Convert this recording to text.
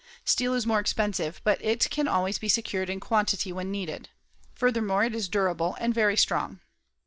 Steel is more expensive but it can always be secured in quantity when needed. Furthermore, it is durable and very strong.